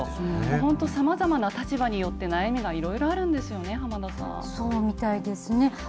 本当、さまざまな立場によって、悩みがいろいろあるんですよね、そうみたいですね。